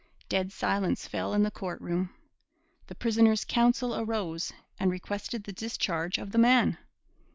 Dead silence fell in the court room. The prisoner's counsel arose and requested the discharge of the man.